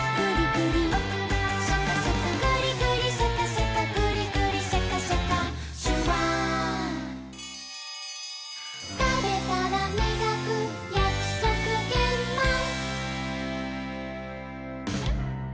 「グリグリシャカシャカグリグリシャカシャカ」「シュワー」「たべたらみがくやくそくげんまん」